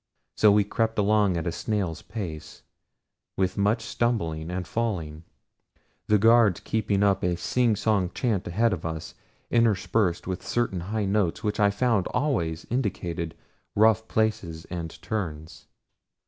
So we crept along at a snail's pace, with much stumbling and falling the guards keeping up a singsong chant ahead of us, interspersed with certain high notes which I found always indicated rough places and turns.